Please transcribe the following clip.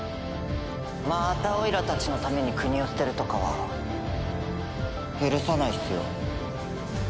またおいらたちのために国を捨てるとかは許さないっすよ。